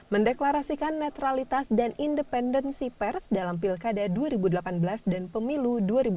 mendeklarasikan netralitas dan independensi pers dalam pilkada dua ribu delapan belas dan pemilu dua ribu sembilan belas